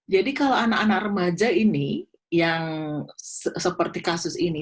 jadi kalau anak anak remaja ini yang seperti kasus ini